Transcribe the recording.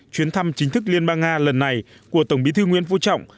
chuyến thăm chính thức liên bang nga lần này của tổng bí thư nguyễn phú trọng